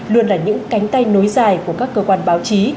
luôn là những cánh tay nối dài của các cơ quan báo chí